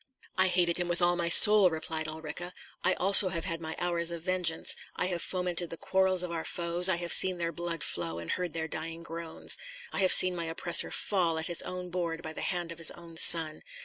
"I hated him with all my soul," replied Ulrica; "I also have had my hours of vengeance; I have fomented the quarrels of our foes; I have seen their blood flow, and heard their dying groans; I have seen my oppressor fall at his own board by the hand of his own son.